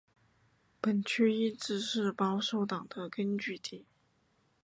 本区一直是保守党的根据地。